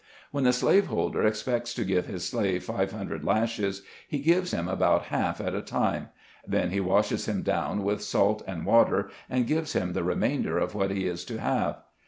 When the slaveholder expects to give his slave five hundred lashes, he gives him about half at a time ; then he washes him down with salt and water, and gives him the remainder of what he is to have.